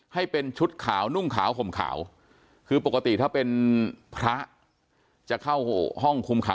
ให้เป็นชุดขาวนุ่งขาวห่มขาวคือปกติถ้าเป็นพระจะเข้าห้องคุมขัง